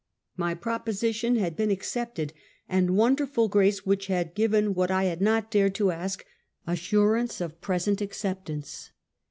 My proposition had been accepted, and wonderful grace, which had given what I had not dared to ask, assurance of present ac ceptance.